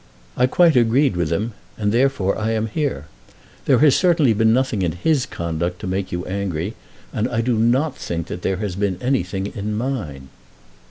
I quite agreed with him, and therefore I am here. There has certainly been nothing in his conduct to make you angry, and I do not think that there has been anything in mine."